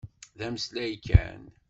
D ameslay kan.